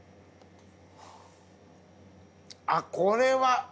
あっこれは。